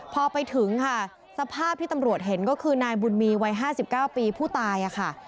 พอไปถึงค่ะสภาพที่ตำรวจเห็นก็คือนายบุญมีวัย๕๙ปีผู้ตายค่ะ